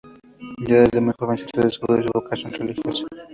Ya desde muy jovencito descubrió su vocación religiosa.